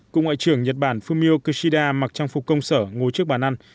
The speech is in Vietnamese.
cựu ngoại trưởng nhật bản fumio kishida mặc trang phục công sở ngồi trước bàn ăn